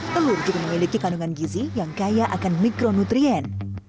telur juga memiliki kandungan gizi yang kaya akan mikronutrien